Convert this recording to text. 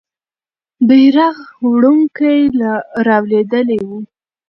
بیرغ وړونکی رالوېدلی وو.